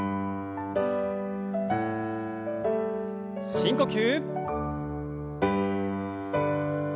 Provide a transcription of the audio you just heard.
深呼吸。